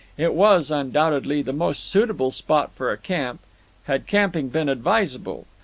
It was, undoubtedly, the most suitable spot for a camp, had camping been advisable.